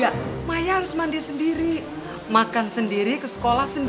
ibu nanti telat